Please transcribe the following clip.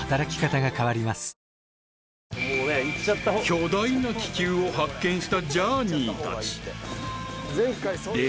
［巨大な気球を発見したジャーニーたち］